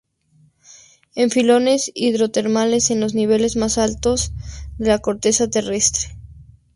En filones hidrotermales en los niveles más altos de la corteza terrestre.